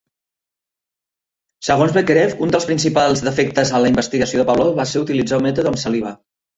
Segons Bekhterev, un dels principals defectes en la investigació de Pavlov va ser utilitzar un mètode amb saliva.